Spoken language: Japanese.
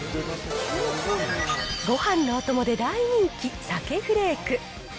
ごはんのお供で大人気、鮭フレーク。